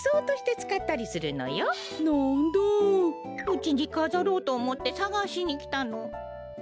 うちにかざろうとおもってさがしにきたの。